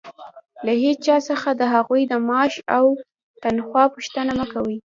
له هيچا څخه د هغوى د معاش او تنخوا پوښتنه مه کوئ!